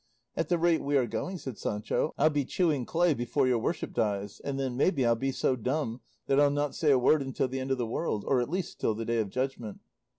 "At the rate we are going," said Sancho, "I'll be chewing clay before your worship dies; and then, maybe, I'll be so dumb that I'll not say a word until the end of the world, or, at least, till the day of judgment."